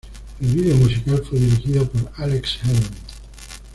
El video musical fue dirigido por Alex Herron.